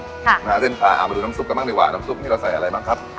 ค่ะนะฮะเส้นปลาเอามาดูน้ำซุปกันบ้างดีกว่าน้ำซุปนี่เราใส่อะไรบ้างครับ